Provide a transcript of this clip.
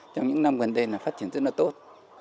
trong những năm gần đây là phát triển rất là tốt